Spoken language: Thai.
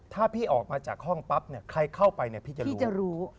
ถ้าพี่ออกมาจากห้องปั๊บเนี่ยใครเข้าไปเนี่ยพี่จะรู้จะรู้